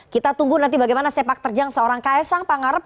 kita tunggu nanti bagaimana sepak terjang seorang khaesang pangarep